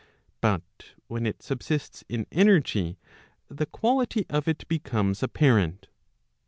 But when it subsists jn energy the quality of it becomes apparent.